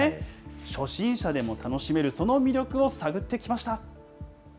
初心者でも楽しめるその魅力を探ってきました。